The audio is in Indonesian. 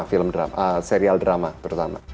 untuk pencinta serial drama pertama